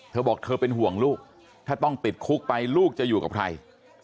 เธอบอกเธอเป็นห่วงลูกถ้าต้องติดคุกไปลูกจะอยู่กับใคร